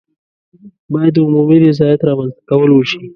باید د عمومي رضایت رامنځته کول وشي.